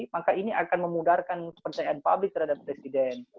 maka ini akan memudarkan kepercayaan publik terhadap presiden